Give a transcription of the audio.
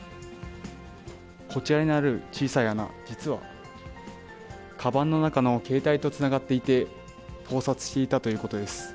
こちらにある小さい穴、実はかばんの中の携帯とつながっていて、盗撮していたということです。